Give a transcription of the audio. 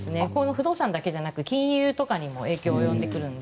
不動産だけじゃなく金融とかにも影響が及んでくるので。